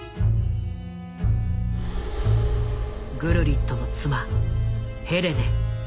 グルリットの妻ヘレネ。